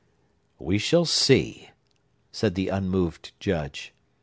"We shall see," said the unmoved Judge.